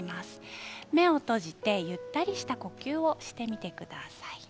目を閉じてゆったりした呼吸をしてみてください。